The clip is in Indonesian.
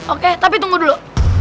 oke tapi tunggu dulu